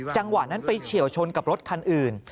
จังหวะนั้นไปเฉียวชนกับรถคันอื่น